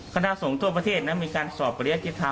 คณะสงทัศน์ทั่วประเทศนะมีการสอบประเลี้ยงที่ทำ